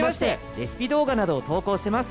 レシピ動画などを投稿してます、